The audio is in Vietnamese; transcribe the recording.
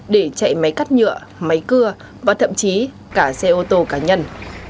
để chạy máy cắt nhựa máy cưa và thậm chí cả xe ô tô cá nhân